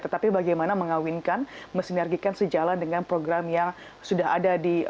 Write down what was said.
tetapi bagaimana mengawinkan mesinergikan sejalan dengan program yang sudah ada di